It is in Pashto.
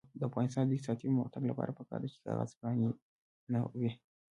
د افغانستان د اقتصادي پرمختګ لپاره پکار ده چې کاغذ پراني نه وي.